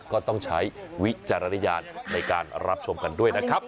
ก็ต้องใช้วิจารณญาณในการรับชมกันด้วยนะครับ